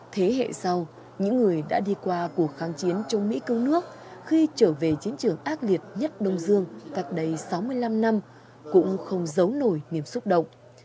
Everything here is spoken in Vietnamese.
thế hệ sau những người đã đi qua cuộc kháng chiến chống mỹ cứu nước khi trở về chiến trường ác liệt nhất đông dương cách đây sáu mươi năm năm cũng không giấu nổi niềm xúc động